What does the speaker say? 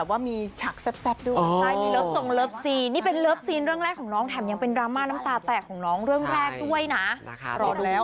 ฝากติดตามด้วยกันนะครับ